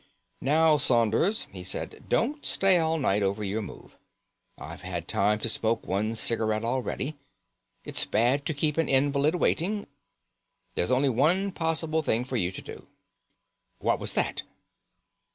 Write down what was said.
"Now, Saunders," he said, "don't stay all night over your move. I've had time to smoke one cigarette already. It's bad to keep an invalid waiting. There's only one possible thing for you to do. What was that?"